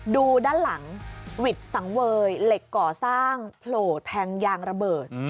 ดูด้านหลังวิทย์สังเวยเหล็กก่อสร้างโผล่แทงยางระเบิด